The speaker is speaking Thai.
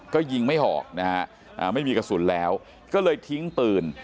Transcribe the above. ก็ยิงไม่ออกนะฮะไม่มีกระสุนแล้วก็เลยทิ้งปืน